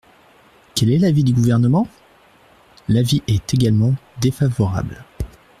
Quel est l’avis du Gouvernement ? L’avis est également défavorable.